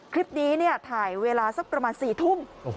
คลิปนี้ทายเวลาสักประมาณ๑๕บำ